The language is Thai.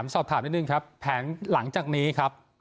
สอบถามนิดนึงครับแผนหลังจากนี้ครับ